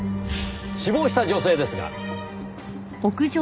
死亡した女性ですが。